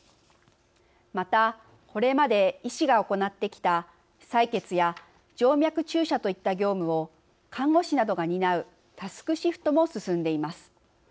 また、これまで医師が行ってきた採血や静脈注射といった業務を看護師などが担うタスクシフトも進んでいます。